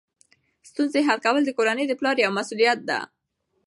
ستونزې حل کول د کورنۍ د پلار یوه مسؤلیت ده.